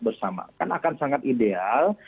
bersama kan akan sangat ideal